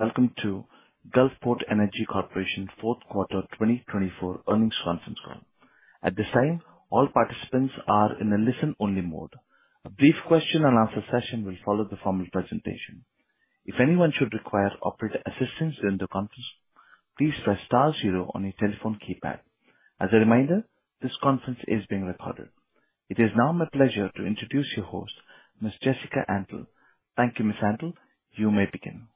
Welcome to Gulfport Energy Corporation fourth quarter 2024 earnings conference call. At this time, all participants are in a listen-only mode. A brief question-and-answer session will follow the formal presentation. If anyone should require operator assistance during the conference, please press star zero on your telephone keypad. As a reminder, this conference is being recorded. It is now my pleasure to introduce your host, Ms. Jessica Antle. Thank you, Ms. Antle. You may begin.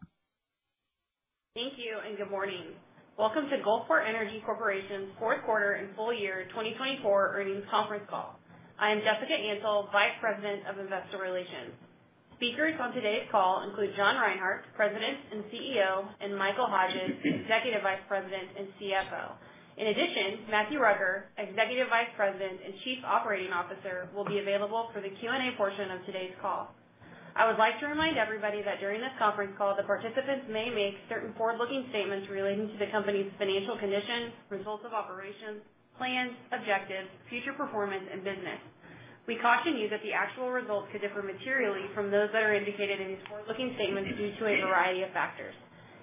Thank you, and good morning. Welcome to Gulfport Energy Corporation's fourth quarter and full year 2024 earnings conference call. I am Jessica Antle, Vice President of Investor Relations. Speakers on today's call include John Reinhart, President and CEO, and Michael Hodges, Executive Vice President and CFO. In addition, Matthew Rucker, Executive Vice President and Chief Operating Officer, will be available for the Q&A portion of today's call. I would like to remind everybody that during this conference call, the participants may make certain forward-looking statements relating to the company's financial condition, results of operations, plans, objectives, future performance, and business. We caution you that the actual results could differ materially from those that are indicated in these forward-looking statements due to a variety of factors.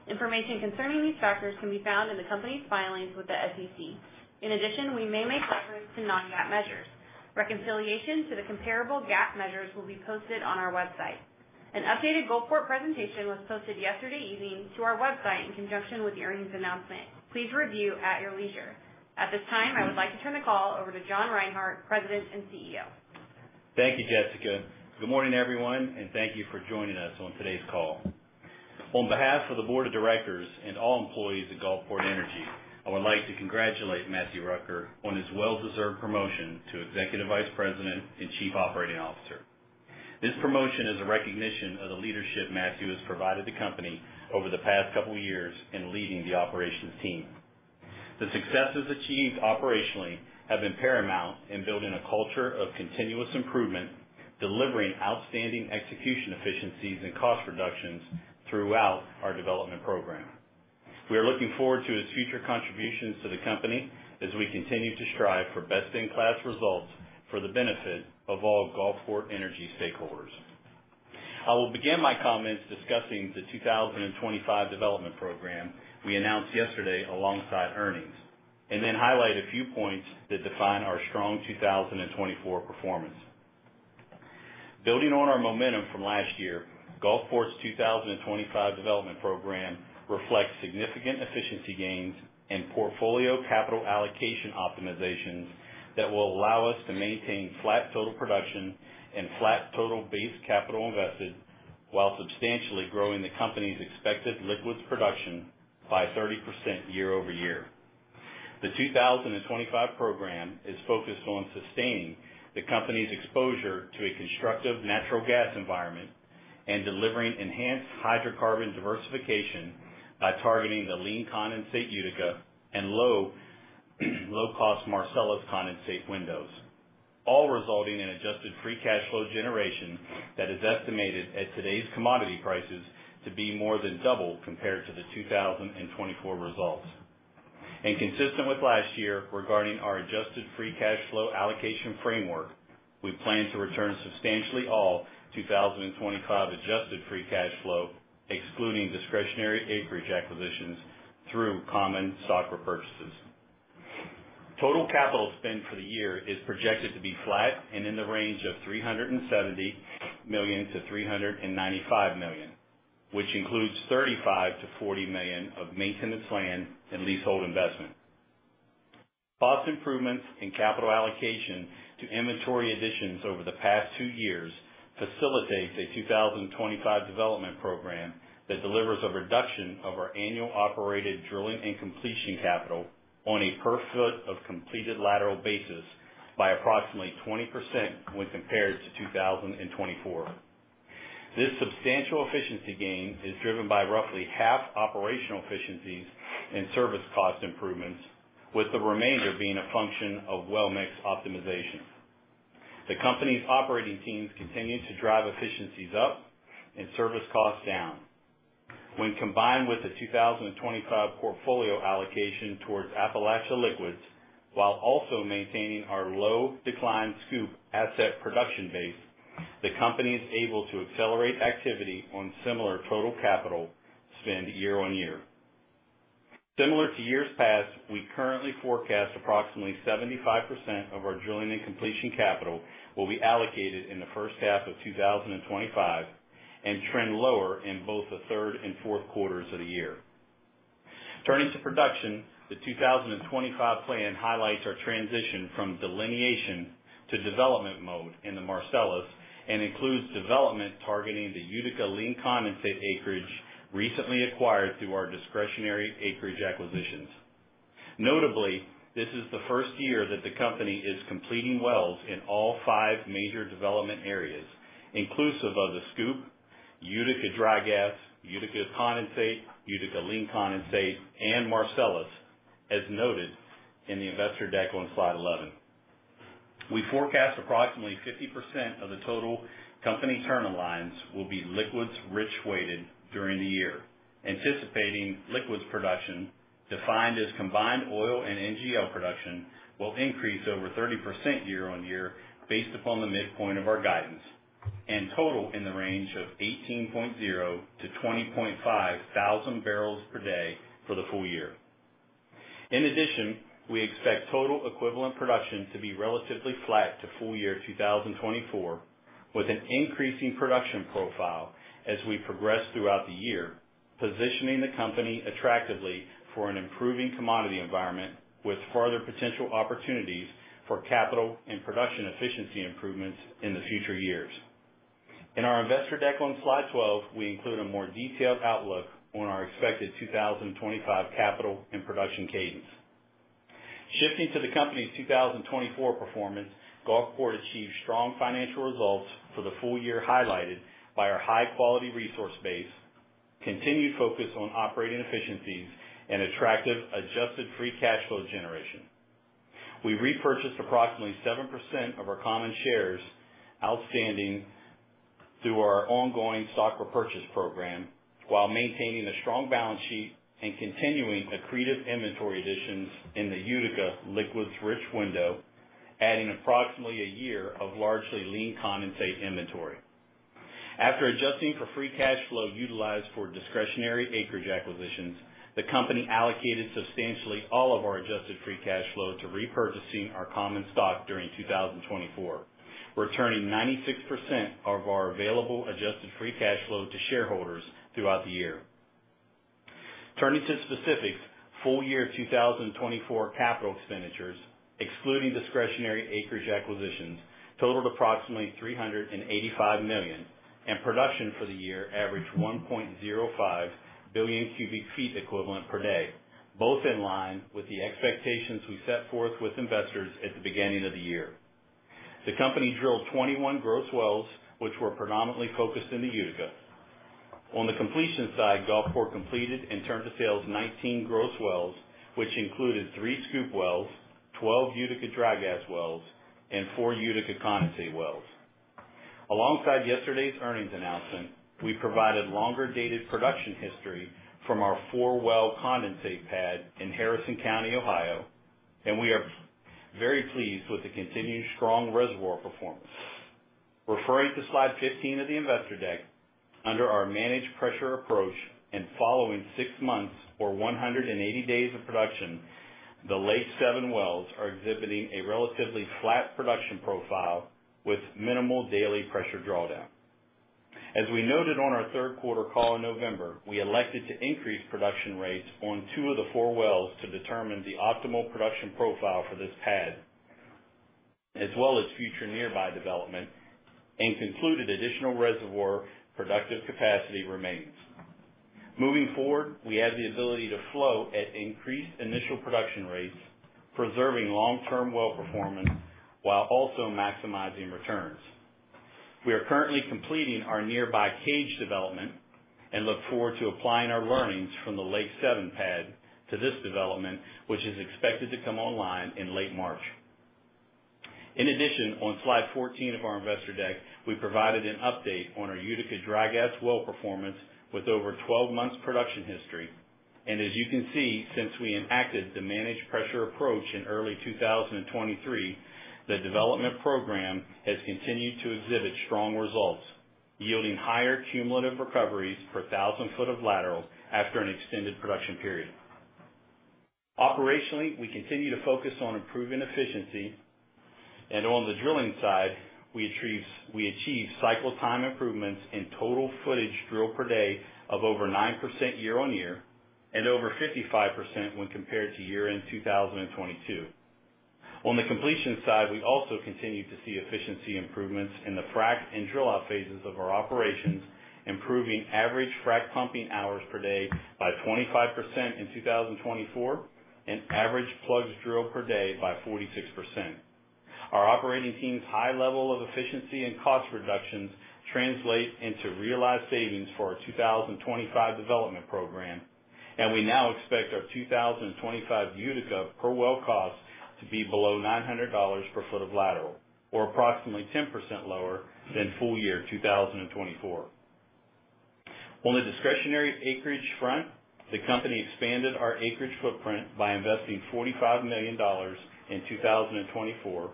Information concerning these factors can be found in the company's filings with the SEC. In addition, we may make reference to non-GAAP measures. Reconciliation to the comparable GAAP measures will be posted on our website. An updated Gulfport presentation was posted yesterday evening to our website in conjunction with the earnings announcement. Please review at your leisure. At this time, I would like to turn the call over to John Reinhart, President and CEO. Thank you, Jessica. Good morning, everyone, and thank you for joining us on today's call. On behalf of the Board of Directors and all employees at Gulfport Energy, I would like to congratulate Matthew Rucker on his well-deserved promotion to Executive Vice President and Chief Operating Officer. This promotion is a recognition of the leadership Matthew has provided the company over the past couple of years in leading the operations team. The successes achieved operationally have been paramount in building a culture of continuous improvement, delivering outstanding execution efficiencies and cost reductions throughout our development program. We are looking forward to his future contributions to the company as we continue to strive for best-in-class results for the benefit of all Gulfport Energy stakeholders. I will begin my comments discussing the 2025 development program we announced yesterday alongside earnings, and then highlight a few points that define our strong 2024 performance. Building on our momentum from last year, Gulfport's 2025 development program reflects significant efficiency gains and portfolio capital allocation optimizations that will allow us to maintain flat total production and flat total base capital invested while substantially growing the company's expected liquids production by 30% year-over-year. The 2025 program is focused on sustaining the company's exposure to a constructive natural gas environment and delivering enhanced hydrocarbon diversification by targeting the lean condensate Utica and low-cost Marcellus condensate windows, all resulting in adjusted free cash flow generation that is estimated at today's commodity prices to be more than double compared to the 2024 results, and consistent with last year regarding our adjusted free cash flow allocation framework, we plan to return substantially all 2025 adjusted free cash flow, excluding discretionary acreage acquisitions through common stock repurchases. Total capital spend for the year is projected to be flat and in the range of $370 million-$395 million, which includes $35 million-$40 million of maintenance land and leasehold investment. Cost improvements and capital allocation to inventory additions over the past two years facilitate a 2025 development program that delivers a reduction of our annual operated drilling and completion capital on a per-foot of completed lateral basis by approximately 20% when compared to 2024. This substantial efficiency gain is driven by roughly half operational efficiencies and service cost improvements, with the remainder being a function of well mix optimization. The company's operating teams continue to drive efficiencies up and service costs down. When combined with the 2025 portfolio allocation towards Appalachia Liquids, while also maintaining our low-decline SCOOP asset production base, the company is able to accelerate activity on similar total capital spend year on year. Similar to years past, we currently forecast approximately 75% of our drilling and completion capital will be allocated in the first half of 2025 and trend lower in both the third and fourth quarters of the year. Turning to production, the 2025 plan highlights our transition from delineation to development mode in the Marcellus and includes development targeting the Utica lean condensate acreage recently acquired through our discretionary acreage acquisitions. Notably, this is the first year that the company is completing wells in all five major development areas, inclusive of the SCOOP, Utica dry gas, Utica condensate, Utica lean condensate, and Marcellus, as noted in the investor deck on slide 11. We forecast approximately 50% of the total company turn-in-line will be liquids-rich weighted during the year, anticipating liquids production defined as combined oil and NGL production will increase over 30% year on year based upon the midpoint of our guidance, and total in the range of 18.0-20.5 thousand barrels per day for the full year. In addition, we expect total equivalent production to be relatively flat to full year 2024, with an increasing production profile as we progress throughout the year, positioning the company attractively for an improving commodity environment with further potential opportunities for capital and production efficiency improvements in the future years. In our investor deck on slide 12, we include a more detailed outlook on our expected 2025 capital and production cadence. Shifting to the company's 2024 performance, Gulfport achieved strong financial results for the full year highlighted by our high-quality resource base, continued focus on operating efficiencies, and attractive adjusted free cash flow generation. We repurchased approximately 7% of our common shares outstanding through our ongoing stock repurchase program while maintaining a strong balance sheet and continuing accretive inventory additions in the Utica liquids-rich window, adding approximately a year of largely lean condensate inventory. After adjusting for free cash flow utilized for discretionary acreage acquisitions, the company allocated substantially all of our adjusted free cash flow to repurchasing our common stock during 2024, returning 96% of our available adjusted free cash flow to shareholders throughout the year. Turning to specifics, full year 2024 capital expenditures, excluding discretionary acreage acquisitions, totalled approximately $385 million, and production for the year averaged 1.05 billion cu ft equivalent per day, both in line with the expectations we set forth with investors at the beginning of the year. The company drilled 21 gross wells, which were predominantly focused in the Utica. On the completion side, Gulfport completed and turned to sales 19 gross wells, which included three SCOOP wells, 12 Utica dry gas wells, and four Utica condensate wells. Alongside yesterday's earnings announcement, we provided longer-dated production history from our four-well condensate pad in Harrison County, Ohio, and we are very pleased with the continued strong reservoir performance. Referring to slide 15 of the investor deck, under our managed pressure approach and following six months or 180 days of production, the L7 wells are exhibiting a relatively flat production profile with minimal daily pressure drawdown. As we noted on our third quarter call in November, we elected to increase production rates on two of the four wells to determine the optimal production profile for this pad, as well as future nearby development, and concluded additional reservoir productive capacity remains. Moving forward, we have the ability to flow at increased initial production rates, preserving long-term well performance while also maximizing returns. We are currently completing our nearby Kage development and look forward to applying our learnings from the L7 pad to this development, which is expected to come online in late March. In addition, on slide 14 of our investor deck, we provided an update on our Utica dry gas well performance with over 12 months' production history, and as you can see, since we enacted the managed pressure approach in early 2023, the development program has continued to exhibit strong results, yielding higher cumulative recoveries per thousand foot of lateral after an extended production period. Operationally, we continue to focus on improving efficiency, and on the drilling side, we achieve cycle-time improvements in total footage drilled per day of over 9% year on year and over 55% when compared to year-end 2022. On the completion side, we also continue to see efficiency improvements in the frac and drill-out phases of our operations, improving average frac pumping hours per day by 25% in 2024 and average plugs drilled per day by 46%. Our operating team's high level of efficiency and cost reductions translate into realized savings for our 2025 development program, and we now expect our 2025 Utica per well cost to be below $900 per foot of lateral, or approximately 10% lower than full year 2024. On the discretionary acreage front, the company expanded our acreage footprint by investing $45 million in 2024,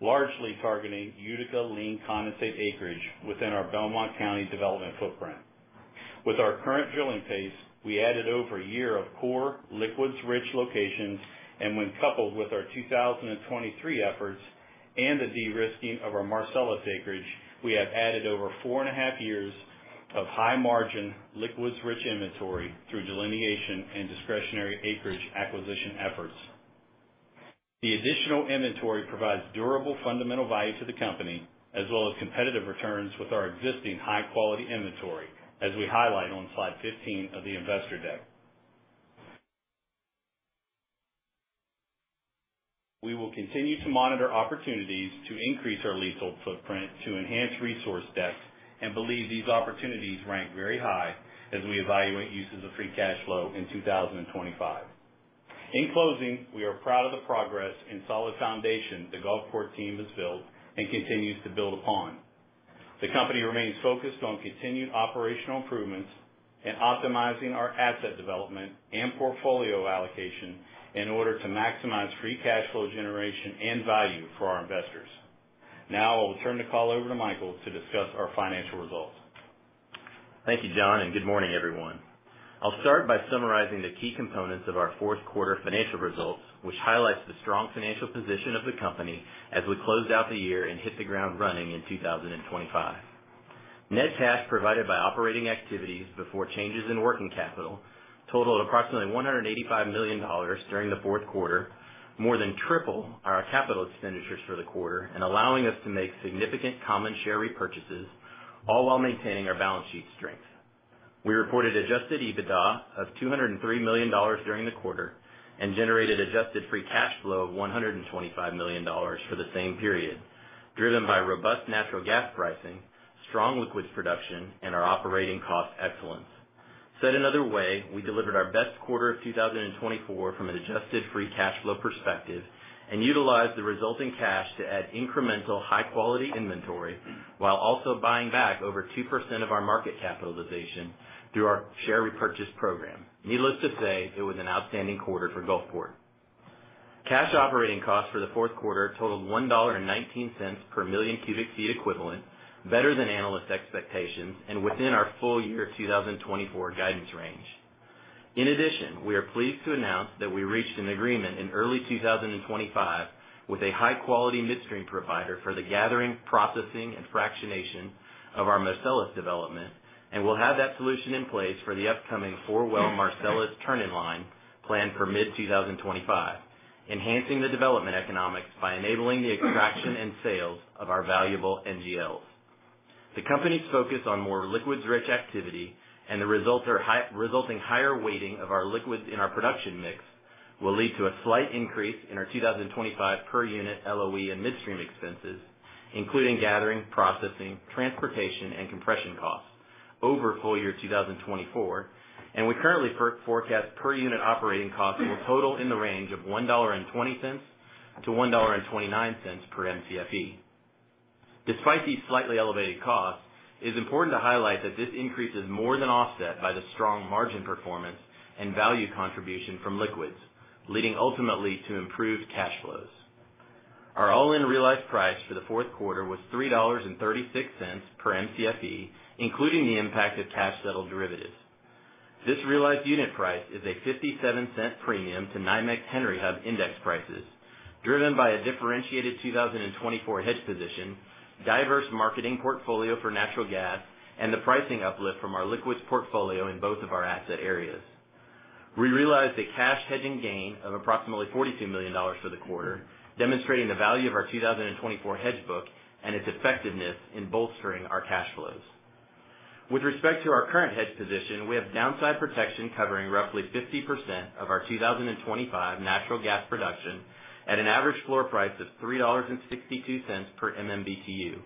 largely targeting Utica lean condensate acreage within our Belmont County development footprint. With our current drilling pace, we added over a year of core liquids-rich locations, and when coupled with our 2023 efforts and the de-risking of our Marcellus acreage, we have added over four and a half years of high-margin liquids-rich inventory through delineation and discretionary acreage acquisition efforts. The additional inventory provides durable fundamental value to the company, as well as competitive returns with our existing high-quality inventory, as we highlight on slide 15 of the investor deck. We will continue to monitor opportunities to increase our leasehold footprint to enhance resource depth, and believe these opportunities rank very high as we evaluate uses of free cash flow in 2025. In closing, we are proud of the progress and solid foundation the Gulfport team has built and continues to build upon. The company remains focused on continued operational improvements and optimizing our asset development and portfolio allocation in order to maximize free cash flow generation and value for our investors. Now I will turn the call over to Michael to discuss our financial results. Thank you, John, and good morning, everyone. I'll start by summarizing the key components of our fourth quarter financial results, which highlights the strong financial position of the company as we closed out the year and hit the ground running in 2025. Net cash provided by operating activities before changes in working capital totaled approximately $185 million during the fourth quarter, more than tripled our capital expenditures for the quarter, and allowing us to make significant common share repurchases, all while maintaining our balance sheet strength. We reported adjusted EBITDA of $203 million during the quarter and generated adjusted free cash flow of $125 million for the same period, driven by robust natural gas pricing, strong liquids production, and our operating cost excellence. Said another way, we delivered our best quarter of 2024 from an adjusted free cash flow perspective and utilized the resulting cash to add incremental high-quality inventory while also buying back over 2% of our market capitalization through our share repurchase program. Needless to say, it was an outstanding quarter for Gulfport. Cash operating costs for the fourth quarter totaled $1.19 per million cubic feet equivalent, better than analyst expectations and within our full year 2024 guidance range. In addition, we are pleased to announce that we reached an agreement in early 2025 with a high-quality midstream provider for the gathering, processing, and fractionation of our Marcellus development, and we'll have that solution in place for the upcoming four-well Marcellus turn-in line planned for mid-2025, enhancing the development economics by enabling the extraction and sales of our valuable NGLs. The company's focus on more liquids-rich activity and the resulting higher weighting of our liquids in our production mix will lead to a slight increase in our 2025 per unit LOE and midstream expenses, including gathering, processing, transportation, and compression costs over full year 2024, and we currently forecast per unit operating costs will total in the range of $1.20-$1.29 per Mcfe. Despite these slightly elevated costs, it is important to highlight that this increase is more than offset by the strong margin performance and value contribution from liquids, leading ultimately to improved cash flows. Our all-in realized price for the fourth quarter was $3.36 per Mcfe, including the impact of cash settled derivatives. This realized unit price is a $0.57 premium to NYMEX Henry Hub index prices, driven by a differentiated 2024 hedge position, diverse marketing portfolio for natural gas, and the pricing uplift from our liquids portfolio in both of our asset areas. We realized a cash hedging gain of approximately $42 million for the quarter, demonstrating the value of our 2024 hedge book and its effectiveness in bolstering our cash flows. With respect to our current hedge position, we have downside protection covering roughly 50% of our 2025 natural gas production at an average floor price of $3.62 per MMBtu,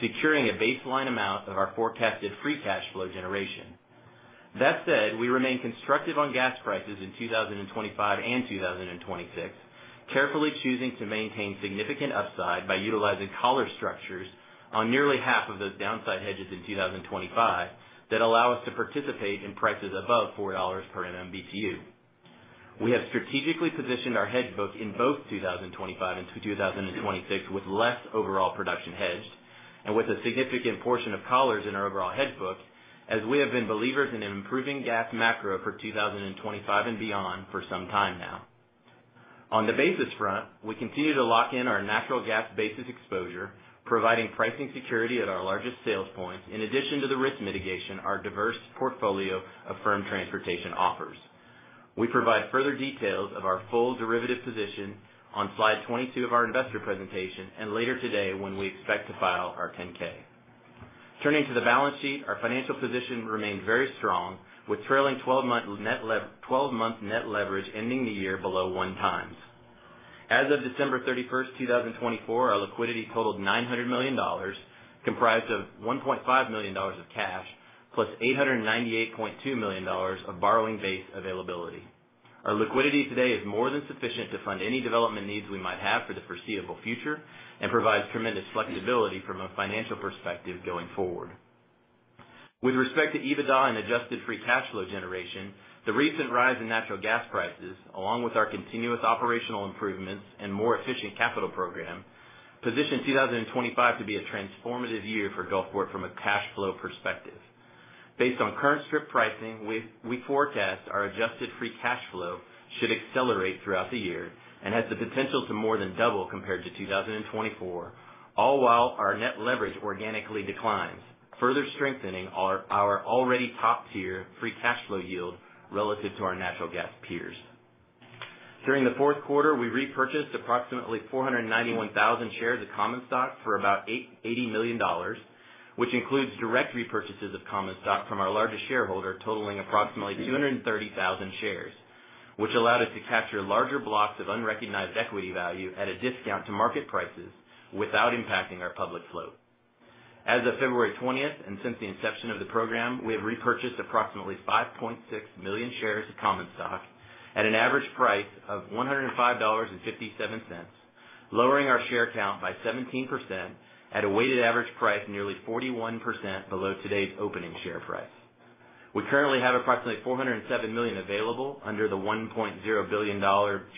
securing a baseline amount of our forecasted free cash flow generation. That said, we remain constructive on gas prices in 2025 and 2026, carefully choosing to maintain significant upside by utilizing collar structures on nearly half of those downside hedges in 2025 that allow us to participate in prices above $4 per MMBtu. We have strategically positioned our hedge book in both 2025 and 2026 with less overall production hedged and with a significant portion of collars in our overall hedge book, as we have been believers in an improving gas macro for 2025 and beyond for some time now. On the basis front, we continue to lock in our natural gas basis exposure, providing pricing security at our largest sales points in addition to the risk mitigation our diverse portfolio of firm transportation offers. We provide further details of our full derivative position on slide 22 of our investor presentation and later today when we expect to file our 10-K. Turning to the balance sheet, our financial position remains very strong, with trailing 12-month net leverage ending the year below one times. As of December 31st, 2024, our liquidity totaled $900 million, comprised of $1.5 million of cash plus $898.2 million of borrowing base availability. Our liquidity today is more than sufficient to fund any development needs we might have for the foreseeable future and provides tremendous flexibility from a financial perspective going forward. With respect to EBITDA and adjusted free cash flow generation, the recent rise in natural gas prices, along with our continuous operational improvements and more efficient capital program, position 2025 to be a transformative year for Gulfport from a cash flow perspective. Based on current strip pricing, we forecast our adjusted free cash flow should accelerate throughout the year and has the potential to more than double compared to 2024, all while our net leverage organically declines, further strengthening our already top-tier free cash flow yield relative to our natural gas peers. During the fourth quarter, we repurchased approximately 491,000 shares of common stock for about $80 million, which includes direct repurchases of common stock from our largest shareholder totaling approximately 230,000 shares, which allowed us to capture larger blocks of unrecognized equity value at a discount to market prices without impacting our public float. As of February 20th, and since the inception of the program, we have repurchased approximately 5.6 million shares of common stock at an average price of $105.57, lowering our share count by 17% at a weighted average price nearly 41% below today's opening share price. We currently have approximately 407 million available under the $1.0 billion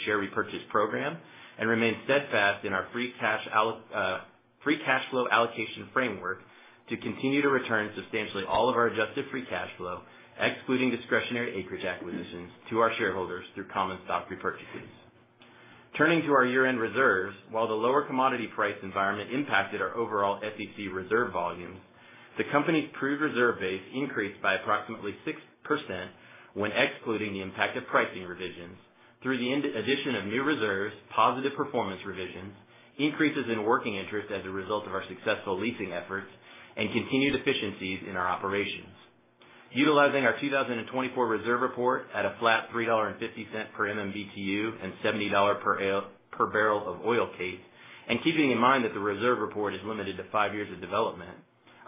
share repurchase program and remain steadfast in our free cash flow allocation framework to continue to return substantially all of our adjusted free cash flow, excluding discretionary acreage acquisitions to our shareholders through common stock repurchases. Turning to our year-end reserves, while the lower commodity price environment impacted our overall SEC reserve volumes, the company's proved reserve base increased by approximately 6% when excluding the impact of pricing revisions through the addition of new reserves, positive performance revisions, increases in working interest as a result of our successful leasing efforts, and continued efficiencies in our operations. Utilizing our 2024 reserve report at a flat $3.50 per MMBtu and $70 per barrel of oil case, and keeping in mind that the reserve report is limited to five years of development,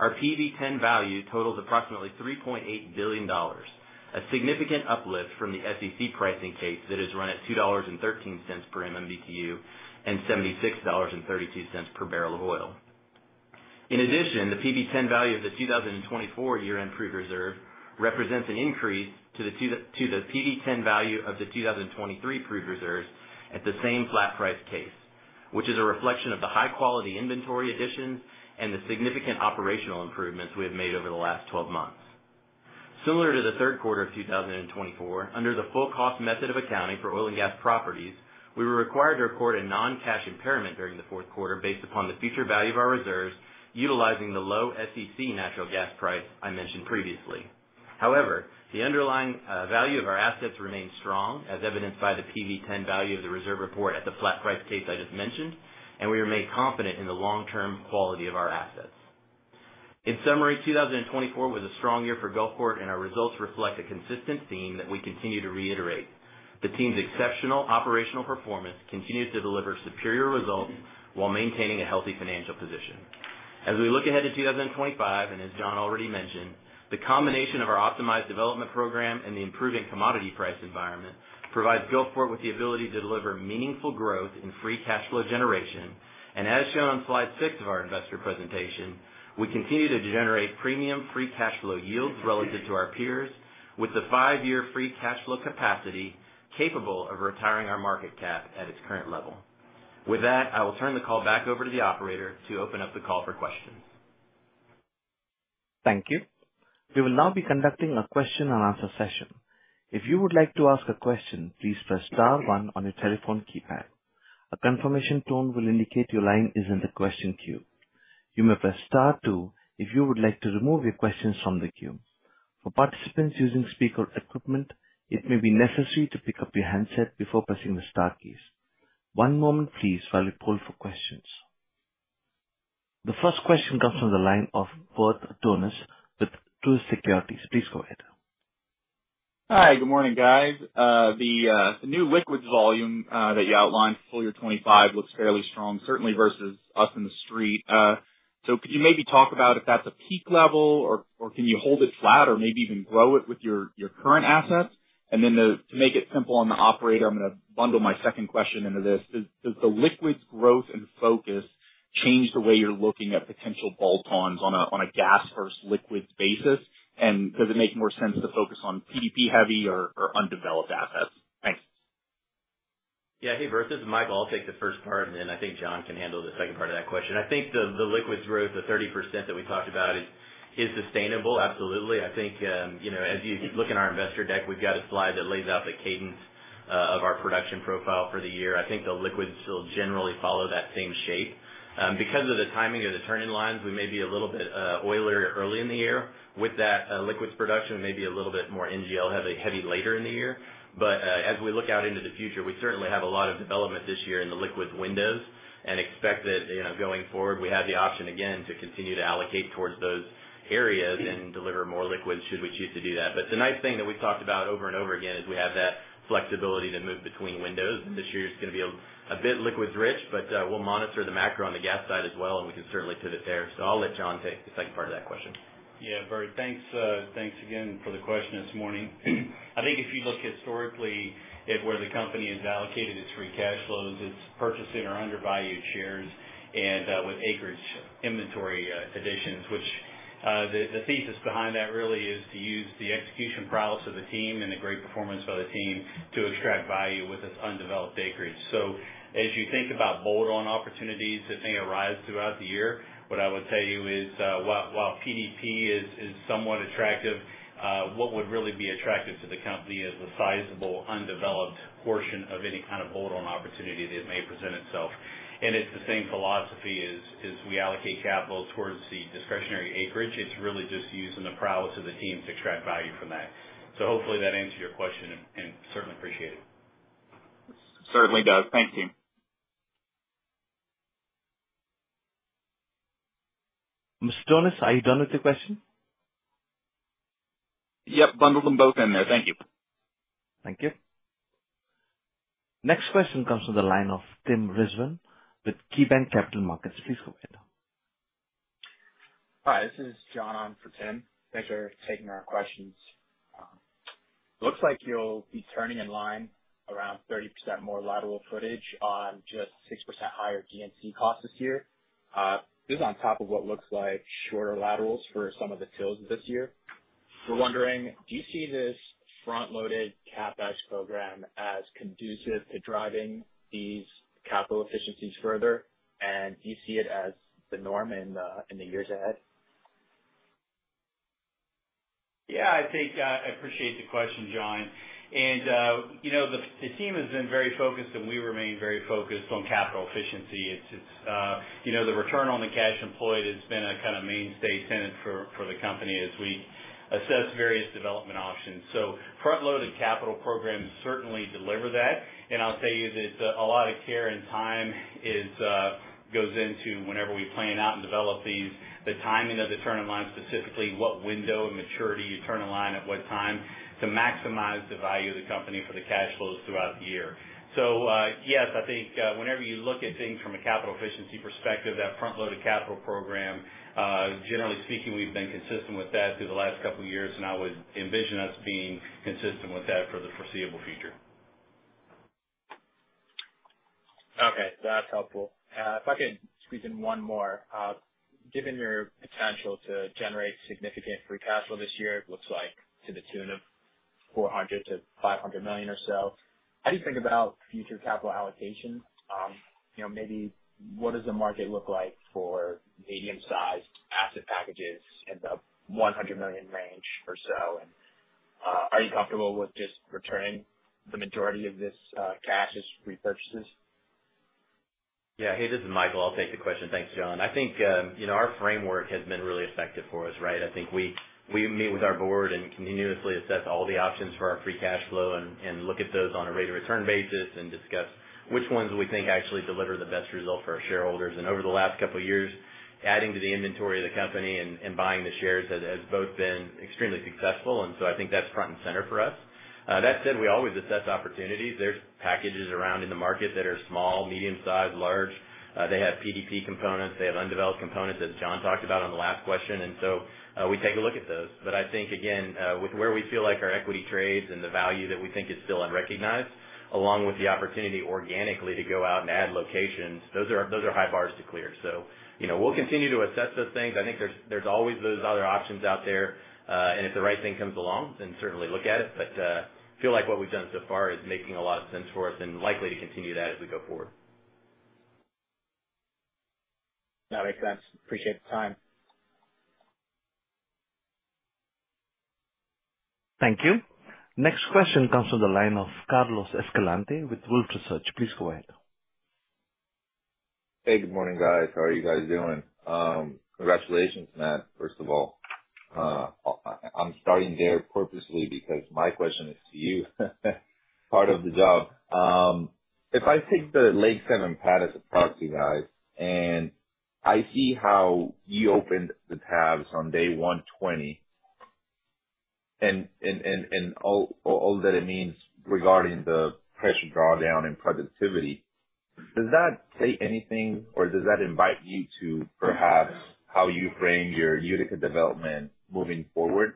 our PV-10 value totals approximately $3.8 billion, a significant uplift from the SEC pricing case that is run at $2.13 per MMBtu and $76.32 per barrel of oil. In addition, the PV-10 value of the 2024 year-end proved reserve represents an increase to the PV-10 value of the 2023 proved reserves at the same flat price case, which is a reflection of the high-quality inventory additions and the significant operational improvements we have made over the last 12 months. Similar to the third quarter of 2024, under the full cost method of accounting for oil and gas properties, we were required to record a non-cash impairment during the fourth quarter based upon the future value of our reserves utilizing the low SEC natural gas price I mentioned previously. However, the underlying value of our assets remained strong, as evidenced by the PV-10 value of the reserve report at the flat price case I just mentioned, and we remain confident in the long-term quality of our assets. In summary, 2024 was a strong year for Gulfport, and our results reflect a consistent theme that we continue to reiterate. The team's exceptional operational performance continues to deliver superior results while maintaining a healthy financial position. As we look ahead to 2025, and as John already mentioned, the combination of our optimized development program and the improving commodity price environment provides Gulfport with the ability to deliver meaningful growth in free cash flow generation, and as shown on slide six of our investor presentation, we continue to generate premium free cash flow yields relative to our peers with the five-year free cash flow capacity capable of retiring our market cap at its current level. With that, I will turn the call back over to the operator to open up the call for questions. Thank you. We will now be conducting a question-and-answer session. If you would like to ask a question, please press star one on your telephone keypad. A confirmation tone will indicate your line is in the question queue. You may press star two if you would like to remove your questions from the queue. For participants using speaker equipment, it may be necessary to pick up your handset before pressing the star keys. One moment, please, while we poll for questions. The first question comes from the line of Worth Owens with Seaport Global Securities. Please go ahead. Hi, good morning, guys. The new liquids volume that you outlined for full year 2025 looks fairly strong, certainly versus us in the street. So could you maybe talk about if that's a peak level, or can you hold it flat, or maybe even grow it with your current assets? And then to make it simple on the operator, I'm going to bundle my second question into this. Does the liquids growth and focus change the way you're looking at potential bolt-ons on a gas-first liquids basis, and does it make more sense to focus on PDP-heavy or undeveloped assets? Thanks. Yeah, hey, Worth, this is Michael. I'll take the first part, and then I think John can handle the second part of that question. I think the liquids growth, the 30% that we talked about, is sustainable, absolutely. I think as you look in our investor deck, we've got a slide that lays out the cadence of our production profile for the year. I think the liquids will generally follow that same shape. Because of the timing of the turn-in-line, we may be a little bit oilier early in the year. With that liquids production, we may be a little bit more NGL-heavy later in the year. But as we look out into the future, we certainly have a lot of development this year in the liquids windows and expect that going forward, we have the option again to continue to allocate towards those areas and deliver more liquids should we choose to do that. But the nice thing that we've talked about over and over again is we have that flexibility to move between windows, and this year is going to be a bit liquids-rich, but we'll monitor the macro on the gas side as well, and we can certainly pivot there. So I'll let John take the second part of that question. Yeah, Worth, thanks again for the question this morning. I think if you look historically at where the company has allocated its free cash flows, it's purchasing our undervalued shares and with acreage inventory additions, which the thesis behind that really is to use the execution prowess of the team and the great performance by the team to extract value with this undeveloped acreage. So as you think about bolt-on opportunities that may arise throughout the year, what I would tell you is while PDP is somewhat attractive, what would really be attractive to the company is the sizable undeveloped portion of any kind of bolt-on opportunity that may present itself. And it's the same philosophy as we allocate capital towards the discretionary acreage. It's really just using the prowess of the team to extract value from that. So hopefully that answered your question, and certainly appreciate it. Certainly does. Thank you. Mr.Owens, are you done with the question? Yep, bundled them both in there. Thank you. Thank you. Next question comes from the line of Tim Rezvan with KeyBanc Capital Markets. Please go ahead. Hi, this is John on for Tim. Thanks for taking our questions. Looks like you'll be turning in line around 30% more lateral footage on just 6% higher D&C costs this year. This is on top of what looks like shorter laterals for some of the wells this year. We're wondering, do you see this front-loaded capex program as conducive to driving these capital efficiencies further, and do you see it as the norm in the years ahead? Yeah, I appreciate the question, John. And the team has been very focused, and we remain very focused on capital efficiency. The return on the cash employed has been a kind of mainstay tenet for the company as we assess various development options, so front-loaded capital programs certainly deliver that, and I'll tell you that a lot of care and time goes into whenever we plan out and develop these, the timing of the turn-in-line, specifically what window and maturity you turn in line, at what time to maximize the value of the company for the cash flows throughout the year, so yes, I think whenever you look at things from a capital efficiency perspective, that front-loaded capital program, generally speaking, we've been consistent with that through the last couple of years, and I would envision us being consistent with that for the foreseeable future. Okay, that's helpful. If I could squeeze in one more, given your potential to generate significant free cash flow this year, it looks like to the tune of $400 million-$500 million or so. How do you think about future capital allocation? Maybe what does the market look like for medium-sized asset packages in the $100 million range or so? And are you comfortable with just returning the majority of this cash as repurchases? Yeah, hey, this is Michael. I'll take the question. Thanks, John. I think our framework has been really effective for us, right? I think we meet with our board and continuously assess all the options for our free cash flow and look at those on a rate-of-return basis and discuss which ones we think actually deliver the best result for our shareholders. Over the last couple of years, adding to the inventory of the company and buying the shares has both been extremely successful, and so I think that's front and center for us. That said, we always assess opportunities. There's packages around in the market that are small, medium-sized, large. They have PDP components. They have undeveloped components, as John talked about on the last question, and so we take a look at those. But I think, again, with where we feel like our equity trades and the value that we think is still unrecognized, along with the opportunity organically to go out and add locations, those are high bars to clear. So we'll continue to assess those things. I think there's always those other options out there, and if the right thing comes along, then certainly look at it. But I feel like what we've done so far is making a lot of sense for us and likely to continue that as we go forward. That makes sense. Appreciate the time. Thank you. Next question comes from the line of Carlos Escalante with Wolfe Research. Please go ahead. Hey, good morning, guys. How are you guys doing? Congratulations, Matt, first of all. I'm starting there purposely because my question is to you. Part of the job. If I take the Utica pads apart, you guys, and I see how you opened the valves on day 120 and all that it means regarding the pressure drawdown and productivity, does that say anything, or does that invite you to perhaps how you frame your unit development moving forward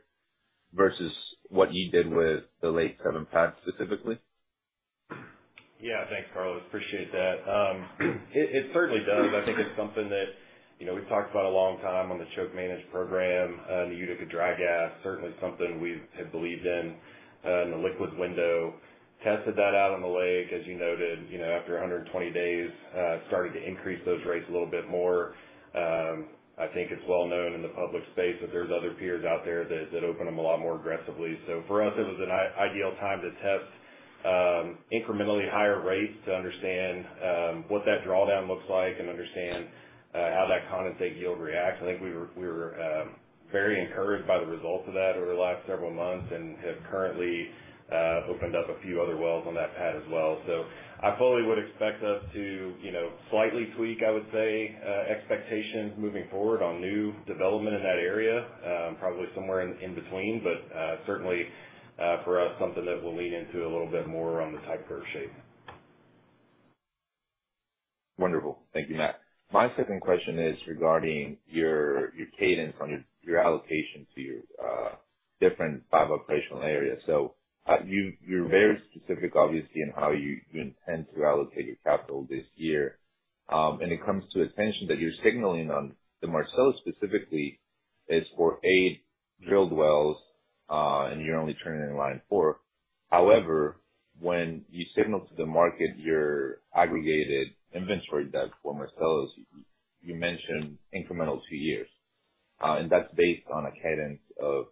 versus what you did with the Utica pad specifically? Yeah, thanks, Carlos. Appreciate that. It certainly does. I think it's something that we've talked about a long time on the choke management program and the Utica dry gas. Certainly something we've believed in in the liquids window. Tested that out on the lease, as you noted, after 120 days, started to increase those rates a little bit more. I think it's well known in the public space that there's other peers out there that open them a lot more aggressively. So for us, it was an ideal time to test incrementally higher rates to understand what that drawdown looks like and understand how that condensate yield reacts. I think we were very encouraged by the results of that over the last several months and have currently opened up a few other wells on that pad as well. So, I fully would expect us to slightly tweak, I would say, expectations moving forward on new development in that area, probably somewhere in between, but certainly for us, something that will lean into a little bit more on the tight curve shape. Wonderful. Thank you, Matt. My second question is regarding your cadence on your allocation to your different five operational areas. So you're very specific, obviously, in how you intend to allocate your capital this year. And it comes to attention that you're signaling on the Marcellus specifically is for eight drilled wells, and you're only turning in line four. However, when you signal to the market your aggregated inventory for Marcellus, you mentioned incremental two years, and that's based on a cadence of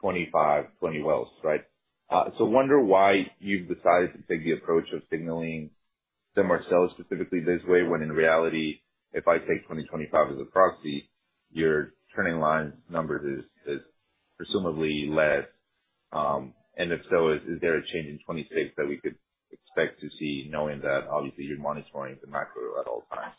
25 wells, 20 wells, right? So I wonder why you've decided to take the approach of signaling the Marcellus specifically this way when in reality, if I take 2025 as a proxy, your turn-in-line number is presumably less. And if so, is there a change in 2026 that we could expect to see, knowing that obviously you're monitoring the macro at all times?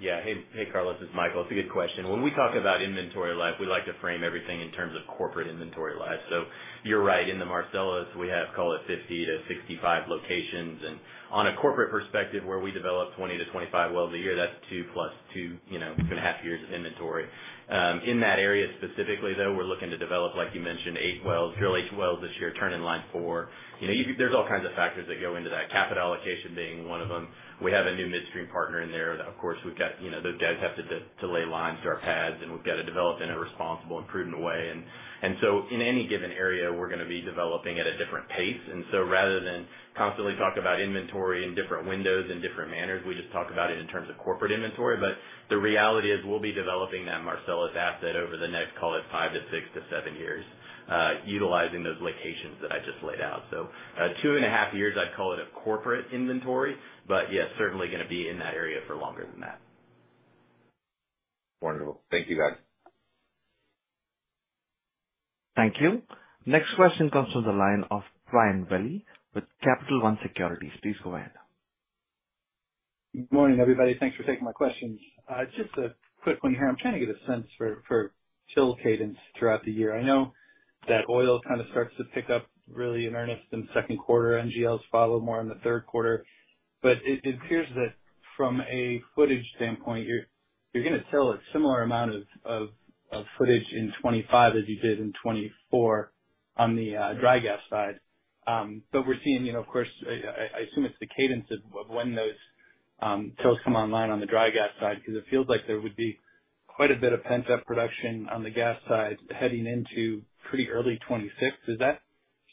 Yeah. Hey, Carlos, this is Michael. It's a good question. When we talk about inventory life, we like to frame everything in terms of corporate inventory life. So you're right. In the Marcellus, we have call it 50-65 locations. And on a corporate perspective, where we develop 20 wells-25 wells a year, that's two plus two and a half years of inventory. In that area specifically, though, we're looking to develop, like you mentioned, eight wells, drill eight wells this year, turn-in-line four. There's all kinds of factors that go into that. Capital allocation being one of them. We have a new midstream partner in there. Of course, we've got those guys have to lay lines to our pads, and we've got to develop in a responsible and prudent way. And so in any given area, we're going to be developing at a different pace. And so rather than constantly talk about inventory in different windows and different manners, we just talk about it in terms of corporate inventory. But the reality is we'll be developing that Marcellus asset over the next, call it five to six to seven years, utilizing those locations that I just laid out. So two and a half years, I'd call it a corporate inventory, but yeah, certainly going to be in that area for longer than that. Wonderful. Thank you, guys. Thank you. Next question comes from the line of Brian Velie with Capital One Securities. Please go ahead. Good morning, everybody. Thanks for taking my questions. Just a quick one here. I'm trying to get a sense for TIL cadence throughout the year. I know that oil kind of starts to pick up really in earnest in second quarter. NGLs follow more in the third quarter. But it appears that from a footage standpoint, you're going to TIL a similar amount of footage in 2025 as you did in 2024 on the dry gas side. But we're seeing, of course, I assume it's the cadence of when those TILs come online on the dry gas side because it feels like there would be quite a bit of pent-up production on the gas side heading into pretty early 2026. Is that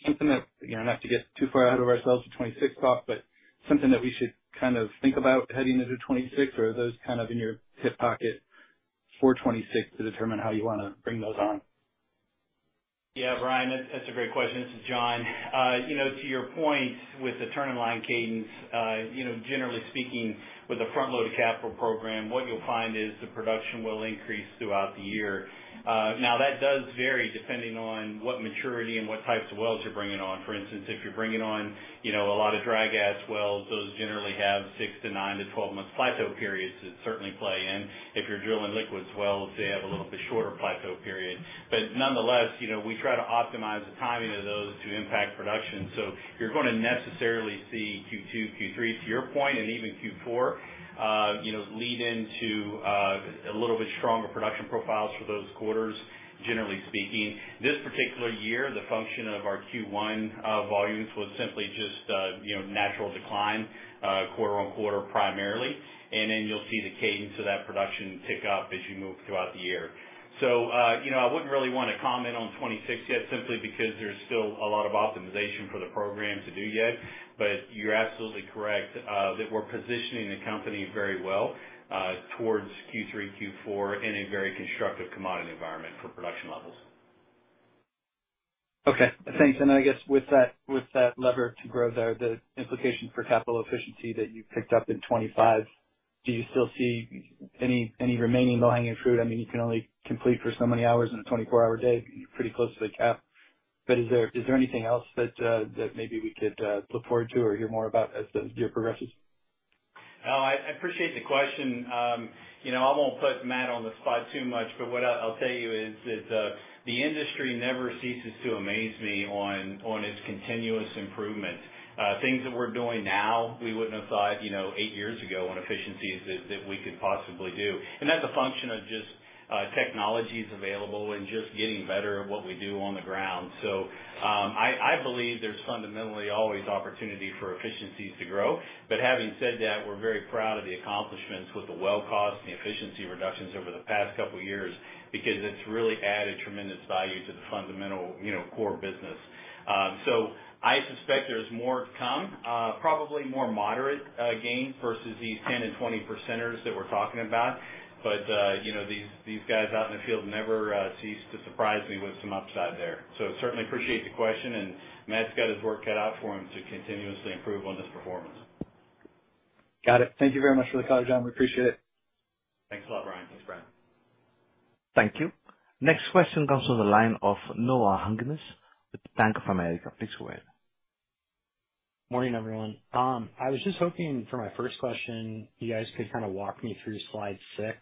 something that, not to get too far ahead of ourselves with 2026 talk, but something that we should kind of think about heading into 2026? Or are those kind of in your back pocket for 2026 to determine how you want to bring those on? Yeah, Brian, that's a great question. This is John. To your point with the turn-in-line cadence, generally speaking, with a front-loaded capital program, what you'll find is the production will increase throughout the year. Now, that does vary depending on what maturity and what types of wells you're bringing on. For instance, if you're bringing on a lot of dry gas wells, those generally have six to nine to 12-month plateau periods that certainly play in. If you're drilling liquids wells, they have a little bit shorter plateau period. But nonetheless, we try to optimize the timing of those to impact production. You're going to necessarily see Q2, Q3, to your point, and even Q4 lead into a little bit stronger production profiles for those quarters, generally speaking. This particular year, the function of our Q1 volumes was simply just natural decline, quarter on quarter primarily. Then you'll see the cadence of that production tick up as you move throughout the year. I wouldn't really want to comment on 2026 yet simply because there's still a lot of optimization for the program to do yet. You're absolutely correct that we're positioning the company very well towards Q3, Q4 in a very constructive commodity environment for production levels. Okay. Thanks. I guess with that lever to grow there, the implication for capital efficiency that you've picked up in 2025, do you still see any remaining low-hanging fruit? I mean, you can only complete for so many hours in a 24-hour day. You're pretty close to the cap, but is there anything else that maybe we could look forward to or hear more about as the year progresses? No, I appreciate the question. I won't put Matt on the spot too much, but what I'll tell you is that the industry never ceases to amaze me on its continuous improvement. Things that we're doing now, we wouldn't have thought eight years ago on efficiencies that we could possibly do, and that's a function of just technologies available and just getting better at what we do on the ground, so I believe there's fundamentally always opportunity for efficiencies to grow. But having said that, we're very proud of the accomplishments with the well cost and the efficiency reductions over the past couple of years because it's really added tremendous value to the fundamental core business. So I suspect there's more to come, probably more moderate gains versus these 10% and 20%ers that we're talking about. But these guys out in the field never cease to surprise me with some upside there. So certainly appreciate the question, and Matt's got his work cut out for him to continuously improve on this performance. Got it. Thank you very much for the call, John. We appreciate it. Thanks a lot, Brian. Thank you. Next question comes from the line of Noah Hungness with Bank of America. Please go ahead. Morning, everyone. I was just hoping for my first question, you guys could kind of walk me through slide six.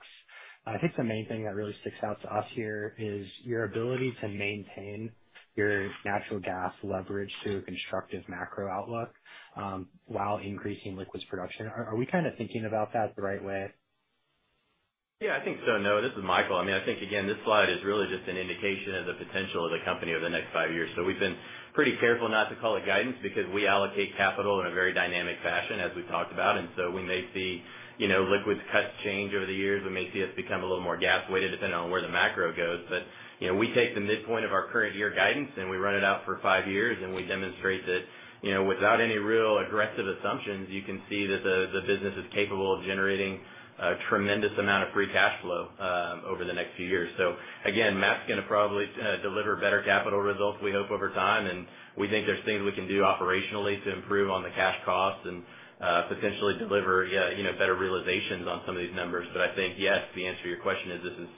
I think the main thing that really sticks out to us here is your ability to maintain your natural gas leverage through a constructive macro outlook while increasing liquids production. Are we kind of thinking about that the right way? Yeah, I think so. No, this is Michael. I mean, I think, again, this slide is really just an indication of the potential of the company over the next five years. So we've been pretty careful not to call it guidance because we allocate capital in a very dynamic fashion, as we've talked about. And so we may see liquids cuts change over the years. We may see us become a little more gas-weighted depending on where the macro goes. But we take the midpoint of our current year guidance, and we run it out for five years, and we demonstrate that without any real aggressive assumptions, you can see that the business is capable of generating a tremendous amount of free cash flow over the next few years. So again, Matt's going to probably deliver better capital results, we hope, over time. And we think there's things we can do operationally to improve on the cash cost and potentially deliver better realizations on some of these numbers. But I think, yes, the answer to your question is this is,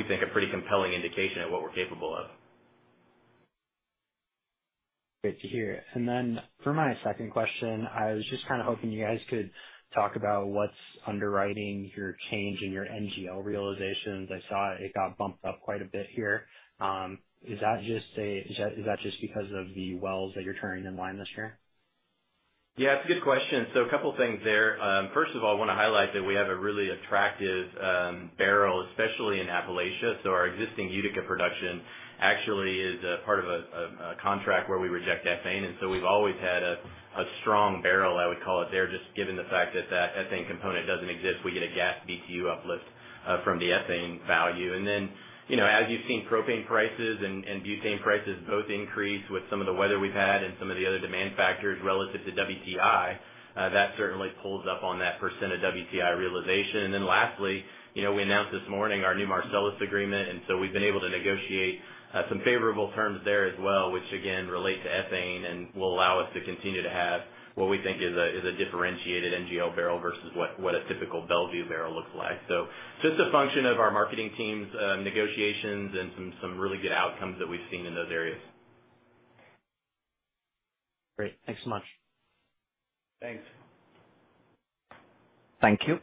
we think, a pretty compelling indication of what we're capable of. Great to hear. And then for my second question, I was just kind of hoping you guys could talk about what's underwriting your change in your NGL realizations. I saw it got bumped up quite a bit here. Is that just because of the wells that you're turning in line this year? Yeah, that's a good question. So a couple of things there. First of all, I want to highlight that we have a really attractive barrel, especially in Appalachia. So our existing Utica production actually is part of a contract where we reject ethane. And so we've always had a strong barrel, I would call it there, just given the fact that that ethane component doesn't exist. We get a gas BTU uplift from the ethane value. And then as you've seen propane prices and butane prices both increase with some of the weather we've had and some of the other demand factors relative to WTI, that certainly pulls up on that % of WTI realization. And then lastly, we announced this morning our new Marcellus agreement. And so we've been able to negotiate some favorable terms there as well, which again relate to ethane and will allow us to continue to have what we think is a differentiated NGL barrel versus what a typical Belvieu barrel looks like. So just a function of our marketing team's negotiations and some really good outcomes that we've seen in those areas. Great. Thanks so much. Thanks. Thank you.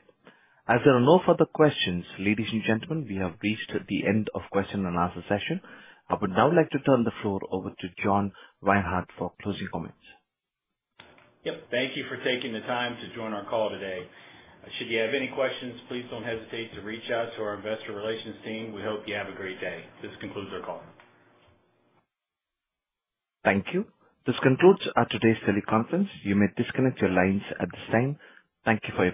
As there are no further questions, ladies and gentlemen, we have reached the end of question and answer session. I would now like to turn the floor over to John Reinhart for closing comments. Yep. Thank you for taking the time to join our call today. Should you have any questions, please don't hesitate to reach out to our investor relations team. We hope you have a great day. This concludes our call. Thank you. This concludes today's teleconference. You may disconnect your lines at this time. Thank you for your.